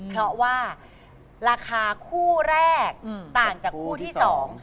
เพราะว่าราคาคู่แรกต่างจากคู่ที่สอง